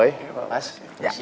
iya pak mas